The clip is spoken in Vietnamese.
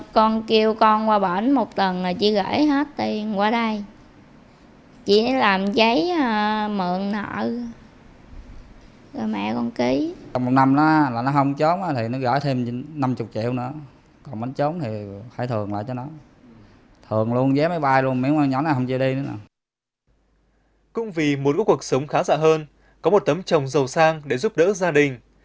cũng vì muốn có cuộc sống khá dạ hơn có một tấm chồng giàu sang để giúp đỡ gia đình